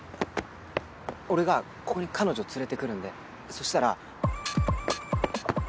俺がここに彼女を連れてくるんでそしたら。